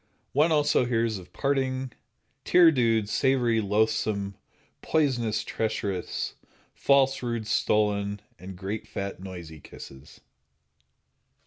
One also hears of parting, tear dewed, savory, loathsome, poisonous, treacherous, false, rude, stolen, and great fat noisy kisses.